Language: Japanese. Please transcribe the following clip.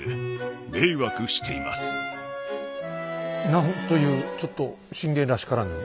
何というちょっと信玄らしからぬ。